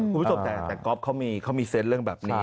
คุณผู้ชมแต่ก๊อฟเขามีเซนต์เรื่องแบบนี้